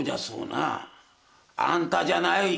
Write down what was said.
あんたじゃない！